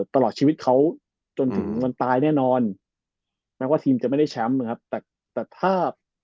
ตลอดชีวิตเขาจนถึงมันตายแน่นอนแม้ว่าทีมจะไม่ได้แชมป์นะครับแต่แต่ถ้า